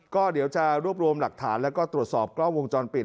ก็เดี๋ยวจะรวบรวมหลักฐานแล้วก็ตรวจสอบกล้องวงจรปิด